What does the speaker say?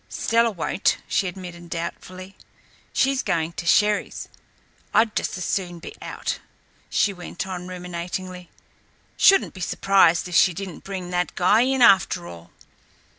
"Stella won't," she admitted doubtfully. "She's going to Sherry's. I'd just as soon be out," she went on ruminatingly. "Shouldn't be surprised if she didn't bring that guy in, after all."